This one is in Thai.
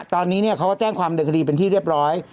ตอนนี้เขาก็แจ้งความเดินคดีเป็นที่เรียบร้อย